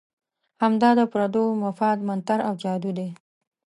همدا د پردو مفاد منتر او جادو دی.